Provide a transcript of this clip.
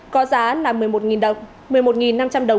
có giá một mươi một năm trăm linh đồng